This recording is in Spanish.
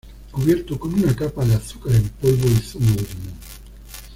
Cubierto con una capa de azúcar en polvo y zumo de limón.